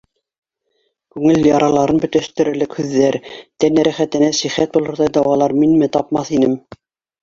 Күңел яраларын бөтәштерерлек һүҙҙәр, тән йәрәхәтенә сихәт булырҙай дауалар минме тапмаҫ инем?!